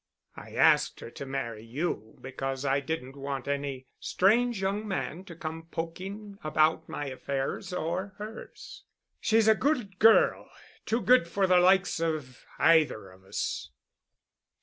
I asked her to marry you because I didn't want any strange young man to come poking about my affairs or hers. She's a good girl—too good for the likes of either of us.